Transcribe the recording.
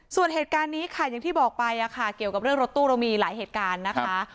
ส่วนเหตุการณ์นี้ค่ะอย่างที่บอกไปเกี่ยวกับเรื่องรถตู้เรามีหลายเหตุการณ์นะคะ